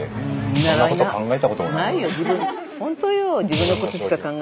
そんなこと考えたこともない。